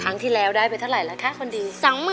ครั้งที่แล้วได้ไปเท่าไหร่แล้วแค่คนดี